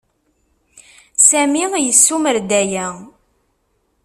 Sami yessumer-d aya.